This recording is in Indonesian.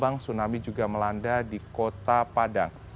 tidak hanya tidur bangunan tapi juga melanda di kota padang